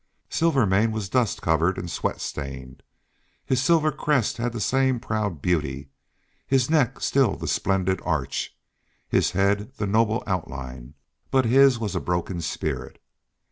Silvermane was dust covered and sweat stained. His silver crest had the same proud beauty, his neck still the splendid arch, his head the noble outline, but his was a broken spirit.